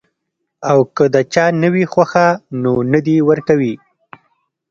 او کۀ د چا نۀ وي خوښه نو نۀ دې ورکوي -